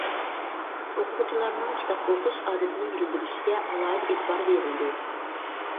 ئوقۇغۇچىلارنىڭ كىتاب ئوقۇش ئادىتىنى يېتىلدۈرۈشىگە ئالاھىدە ئېتىبار بېرىلىدۇ.